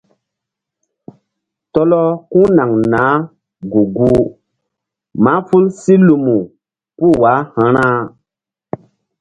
Tɔlɔ ku̧ naŋ naah gu-guh mahful si lumu puh wah ra̧.